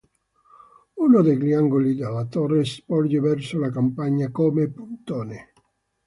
Uno degli angoli della torre sporge verso la campagna come puntone.